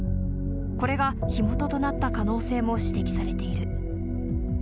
これが火元となった可能性も指摘されている。